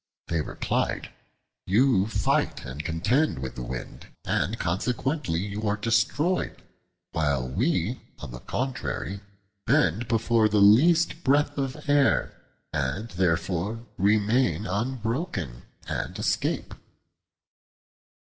They replied, "You fight and contend with the wind, and consequently you are destroyed; while we on the contrary bend before the least breath of air, and therefore remain unbroken, and escape."